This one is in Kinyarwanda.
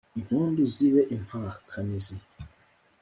impundu zibe impakanizi